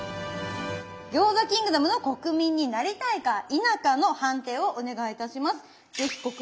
餃子キングダムの国民になりたいか否かの判定をお願いいたします。